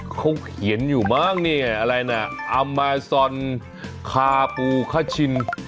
เขาเขียนอยู่มากอาเมซอนคาปูคาชิน